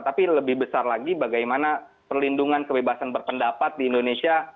tapi lebih besar lagi bagaimana perlindungan kebebasan berpendapat di indonesia